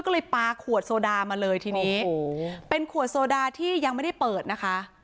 ก็เลยปลาขวดโซดามาเลยทีนี้เป็นขวดโซดาที่ยังไม่ได้เปิดนะคะ